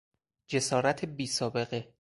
جسارت بیسابقه